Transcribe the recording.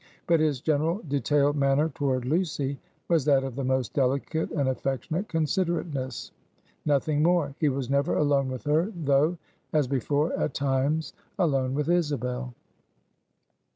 But his general detailed manner toward Lucy was that of the most delicate and affectionate considerateness nothing more. He was never alone with her; though, as before, at times alone with Isabel.